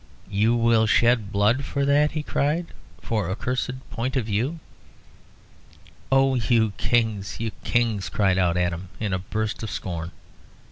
"You will shed blood for that!" he cried. "For a cursed point of view " "Oh, you kings, you kings!" cried out Adam, in a burst of scorn.